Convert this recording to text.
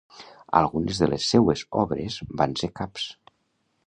Algunes de les seues obres van ser caps.